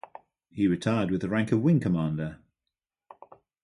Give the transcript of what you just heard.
He retired with the rank of Wing Commander.